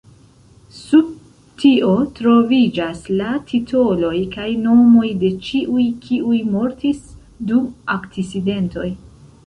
Sub tio troviĝas la titoloj kaj nomoj de ĉiuj, kiuj mortis dum akcidentoj.